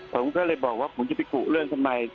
ผมก็เลยบอกว่าผมจะไปกุเรื่องทำไม